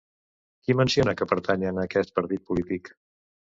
Qui menciona que pertanyen a aquest partit polític?